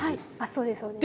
そうですそうです。